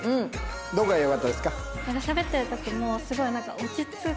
どこがよかったですか？